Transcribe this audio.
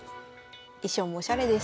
衣装もおしゃれです。